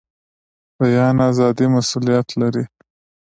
بیان ازادي مسوولیت لري